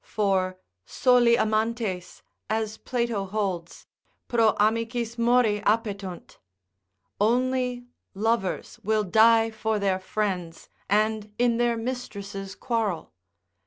For soli amantes, as Plato holds, pro amicis mori appetunt, only lovers will die for their friends, and in their mistress' quarrel.